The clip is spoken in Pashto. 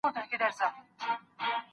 تا بندولې سرې خولۍ هغه یې زور واخیست